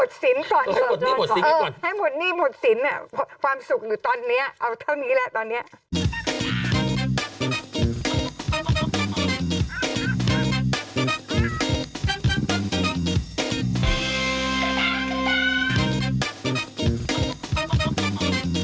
ใช่หมดหนี้หมดสินตอนนี้ก่อนค่ะเออให้หมดหนี้หมดสิน